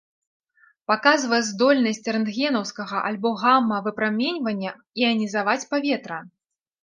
Паказвае здольнасць рэнтгенаўскага альбо гама-выпраменьвання іанізаваць паветра.